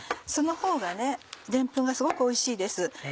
そのほうがでんぷんがすごくおいしいです。